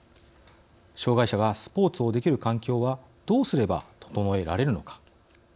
障害者がスポーツをできる環境はどうすれば整えられるのか。